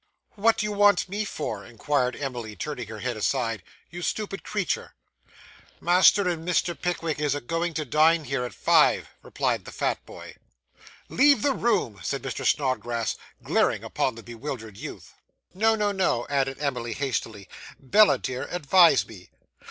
'What do you want me for,' inquired Emily, turning her head aside, 'you stupid creature?' 'Master and Mr. Pickwick is a going to dine here at five,' replied the fat boy. 'Leave the room!' said Mr. Snodgrass, glaring upon the bewildered youth. 'No, no, no,' added Emily hastily. 'Bella, dear, advise me.